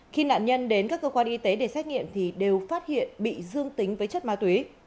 khi nạn nhân đến các cơ quan y tế để xét nghiệm thì đều phát hiện bị dương tính với chất ma túy